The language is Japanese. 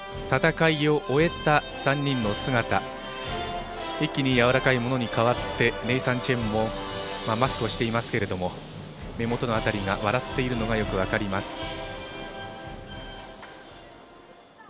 戦いを終えた３人の姿一気にやわらかいものに変わってネイサン・チェンもマスクをしていますけども目元の辺りが笑っているのがよく分かります。